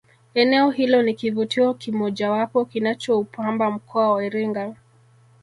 eneo hilo ni kivutio kimojawapo kinachoupamba mkoa wa iringa